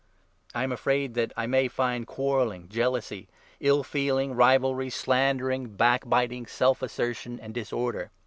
I am afraid that I may find cjuarrelling, jealousy, ill feeling, rivalry, slandering, back biting, self assertion, and disorder.